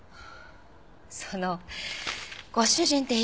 そのご主人って言い方